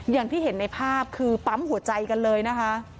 อย่างที่เห็นในภาพคือปั๊มหัวใจกันเลยนะคะ